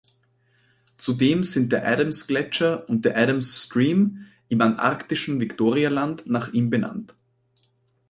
Zudem sind der Adams-Gletscher und der Adams Stream im antarktischen Viktorialand nach ihm benannt.